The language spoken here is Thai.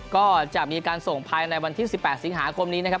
ก็จะมีการส่งภายในวันที่๑๘สิงหาคมนี้นะครับ